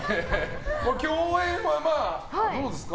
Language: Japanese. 共演はどうですか？